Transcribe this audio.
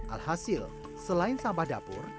alhasil selain sampah dapur